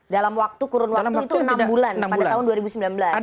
dalam waktu kurun waktu itu enam bulan pada tahun dua ribu sembilan belas